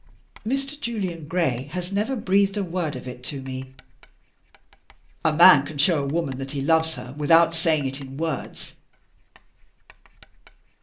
"Mr. Julian Gray has never breathed a word of it to me." "A man can show a woman that he loves her, without saying it in words."